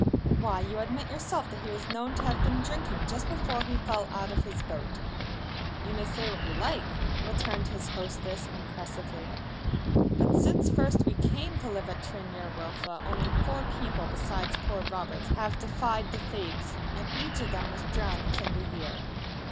"Why, you admit yourself that he was known to have been drinking just before he fell out of his boat!" "You may say what you like," returned his hostess impressively, "but since first we came to live at Tryn yr Wylfa only four people besides poor Roberts have defied the Fates, and each of them was drowned within the year.